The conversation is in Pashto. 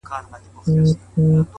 • زه بې له تا گراني ژوند څنگه تېر كړم ـ